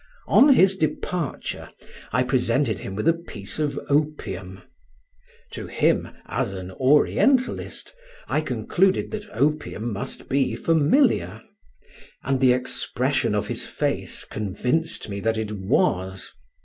On his departure I presented him with a piece of opium. To him, as an Orientalist, I concluded that opium must be familiar; and the expression of his face convinced me that it was.